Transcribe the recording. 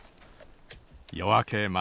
夜明け前。